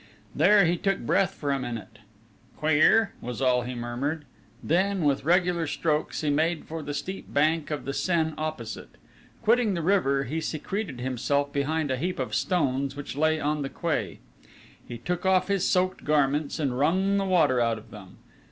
There he took breath for a minute: "Queer!" was all he murmured. Then with regular strokes he made for the steep bank of the Seine opposite. Quitting the river, he secreted himself behind a heap of stones which lay on the quay. He took off his soaked garments and wrung the water out of them.